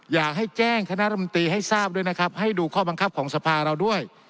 อยากให้แจ้งคณะรมตรีให้ทราบด้วยนะครับให้ดูข้อบังคับของสภาเราด้วย